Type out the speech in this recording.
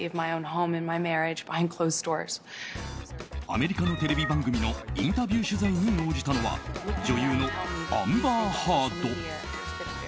アメリカのテレビ番組のインタビュー取材に応じたのは女優のアンバー・ハード。